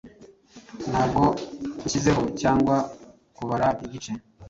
Ntabwo nhyizeho, cyangwa kubara igice